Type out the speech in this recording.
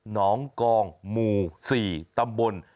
หนองกองหมู่๔ตำบล